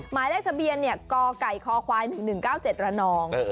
หมายเลขทะเบียนเนี่ยกไก่คควาย๑๑๙๗ระนอง